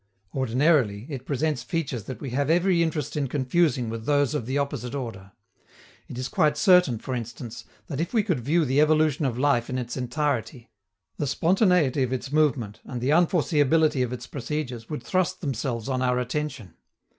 Ordinarily, it presents features that we have every interest in confusing with those of the opposite order. It is quite certain, for instance, that if we could view the evolution of life in its entirety, the spontaneity of its movement and the unforeseeability of its procedures would thrust themselves on our attention.